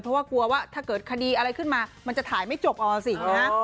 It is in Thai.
เพราะว่ากลัวว่าถ้าเกิดคดีอะไรขึ้นมามันจะถ่ายไม่จบเอาสินะ